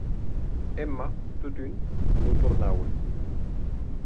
Emma, totun, non tornaue.